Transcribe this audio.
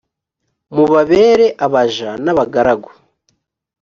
mubabere abaja n’abagaragu